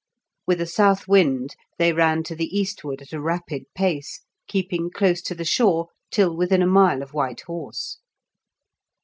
With a south wind they ran to the eastward at a rapid pace, keeping close to the shore till within a mile of White Horse.